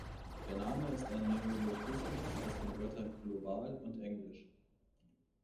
Der Name ist ein Neologismus aus den Wörtern "Global" und "English".